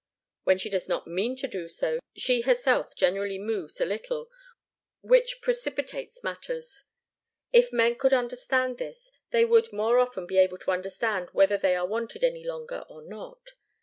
When she does not mean to do so, she herself generally moves a little, which precipitates matters. If men could understand this, they would more often be able to understand whether they are wanted any longer or not.